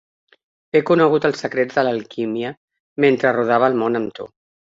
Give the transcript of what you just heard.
He conegut els secrets de l'alquímia mentre rodava el món amb tu.